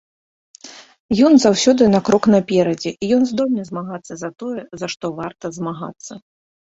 Ён заўсёды на крок наперадзе, ён здольны змагацца за тое, за што варта змагацца.